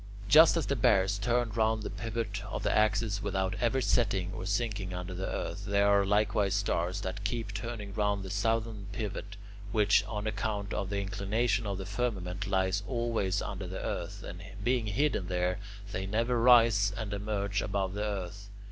Just as the Bears turn round the pivot of the axis without ever setting or sinking under the earth, there are likewise stars that keep turning round the southern pivot, which on account of the inclination of the firmament lies always under the earth, and, being hidden there, they never rise and emerge above the earth.